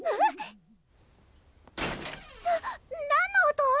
ちょっ何の音